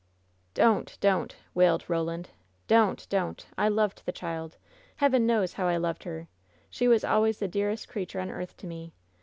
"Don't! don't!" wailed Roland. "Don't! don't! I loved the child ! Heaven knows how I loved her ! She was always the dearest creature on earth to me!